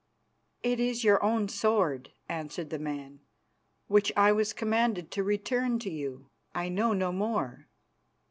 "It is your own sword," answered the man, "which I was commanded to return to you. I know no more."